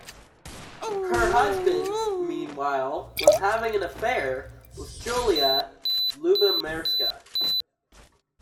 Her husband, meanwhile, was having an affair with Julia Lubomirska.